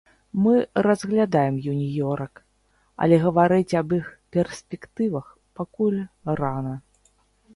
Мы разглядаем юніёрак, але гаварыць аб іх перспектывах пакуль рана.